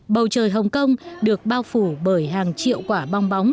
bầu trời hồng kông được bao phủ bởi hàng triệu quả bong bóng